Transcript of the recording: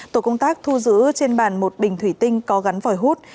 tổ công tác thu giữ trên bàn một bình thủy tinh có gắn vòi hút